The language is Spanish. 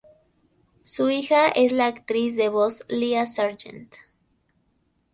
Su hija es la actriz de voz Lia Sargent.